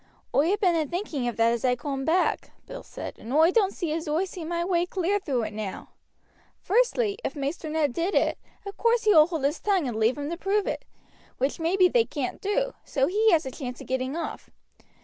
"Oi ha' been a thinking of that as I coom back," Bill said, "and oi doan't think as oi see my way clear through it now. Firstly, if Maister Ned did it, of course he will hold his tongue and leave 'em to prove it, which maybe they can't do; so he has a chance of getting off.